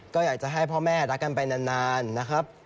ก็อยากจะให้พ่อแม่รักกันไปนานนะครับ